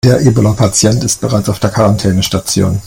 Der Ebola-Patient ist bereits auf der Quarantänestation.